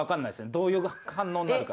どういう反応があるか。